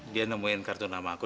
dia nemuin kartu nama aku